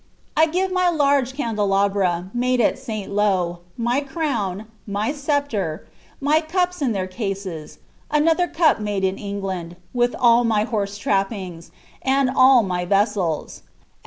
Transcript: " 1 give my large candelabra, made at St. Lo, my crown, my sceptre, my in»p« in their cases, another cup made in England, with all my hont ttxppings, and all my vessels ; and.